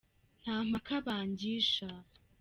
Nta mpaka bangisha